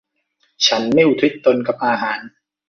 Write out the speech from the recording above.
ฉันไม่อุทิศตนกับอาหาร